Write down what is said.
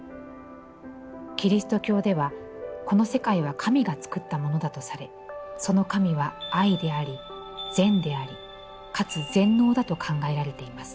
キリスト教では、この世界は神が造ったものだとされ、その神は『愛』であり、『善』であり、かつ『全能』だと考えられています。